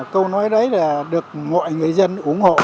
câu nói đấy là được mọi người dân ủng hộ